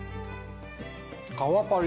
皮パリ！